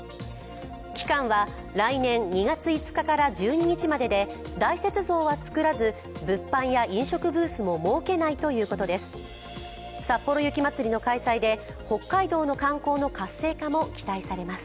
期間は来年２月５日から１２日までで大雪像はつくらず、物販や飲食ブースも設けないということです。